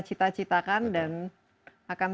cita citakan dan akan